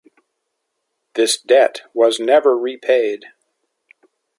This debt was never repaid.